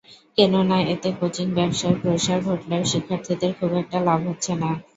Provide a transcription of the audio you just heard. কেননা, এতে কোচিং ব্যবসার প্রসার ঘটলেও শিক্ষার্থীদের খুব একটা লাভ হচ্ছে না।